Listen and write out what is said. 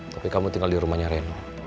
tapi kamu tinggal di rumahnya reno